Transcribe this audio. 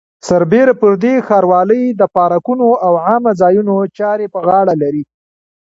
سربېره پر دې ښاروالۍ د پارکونو او عامه ځایونو چارې په غاړه لري.